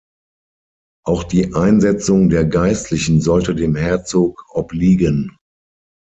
Auch die Einsetzung der Geistlichen sollte dem Herzog obliegen.